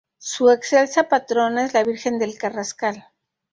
Su excelsa patrona es la Virgen del Carrascal.